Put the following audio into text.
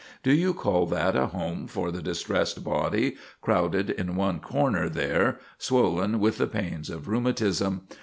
Do you call that a home for the distressed body, crowded in one corner there, swollen with the pains of rheumatism?